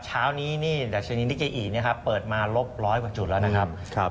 เช้านี้นี่ดัชนีนิเกอีเปิดมาลบร้อยกว่าจุดแล้วนะครับ